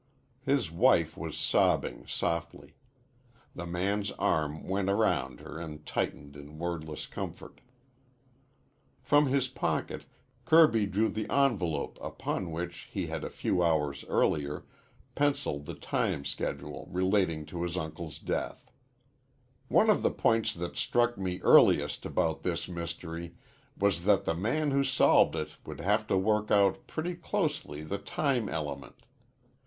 His wife was sobbing softly. The man's arm went round her and tightened in wordless comfort. From his pocket Kirby drew the envelope upon which he had a few hours earlier penciled the time schedule relating to his uncle's death. "One of the points that struck me earliest about this mystery was that the man who solved it would have to work out pretty closely the time element.